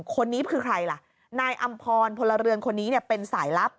คนนี้คือใครล่ะนายอำพรพลเรือนคนนี้เป็นสายลับ